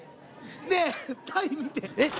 ねえ鯛見てえっ